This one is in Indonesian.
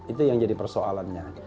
itu yang jadi persoalannya